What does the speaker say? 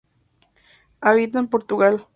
Habita en Portugal.